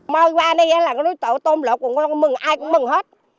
môi qua đây là cái núi tội tôm lộn ai cũng mừng hết